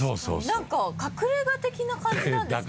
何か隠れ家的な感じなんですか？